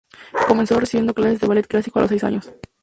Comenzó recibiendo clases de ballet clásico a los seis años.